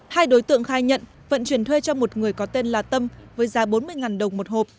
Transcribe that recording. hai đối tượng khai nhận vận chuyển thuê cho một người có tên là tâm với giá bốn mươi đồng một hộp